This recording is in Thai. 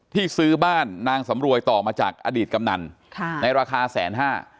ซื้อบ้านนางสำรวยต่อมาจากอดีตกำนันค่ะในราคาแสนห้า